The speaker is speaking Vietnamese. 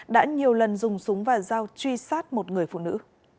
đã nhiều lần dùng súng và dao truy sát một người phụ nữ